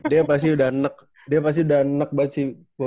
dia pasti udah nek dia pasti udah nek banget sih